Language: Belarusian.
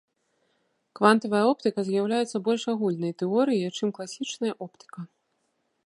Квантавая оптыка з'яўляецца больш агульнай тэорыяй, чым класічная оптыка.